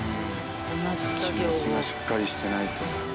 気持ちがしっかりしてないと。